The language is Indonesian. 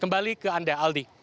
kembali ke anda aldi